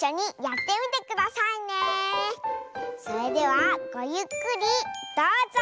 それではごゆっくりどうぞ！